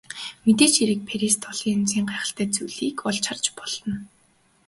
Мэдээж хэрэг Парист олон янзын гайхалтай зүйлийг олж харж болно.